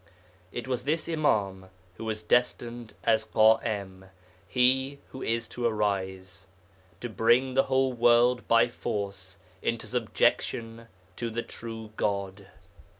It was this Imâm who was destined as Ḳa'im (he who is to arise) to bring the whole world by force into subjection to the true God.